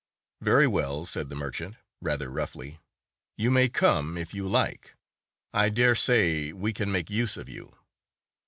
"Very well," said the merchant, rather roughly; "you may come if you like. I dare say we can make use of you."